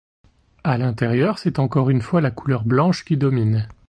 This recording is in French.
À l'intérieur, c'est encore une fois la couleur blanche qui domine.